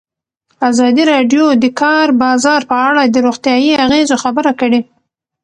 ازادي راډیو د د کار بازار په اړه د روغتیایي اغېزو خبره کړې.